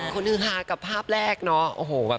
คนนื้อหากับภาพแรกเนอะ